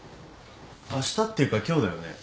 あしたっていうか今日だよね？